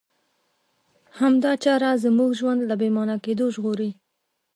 همدا چاره زموږ ژوند له بې مانا کېدو ژغوري.